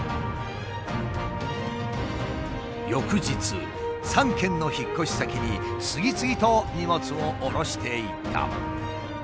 翌日３件の引っ越し先に次々と荷物を降ろしていった。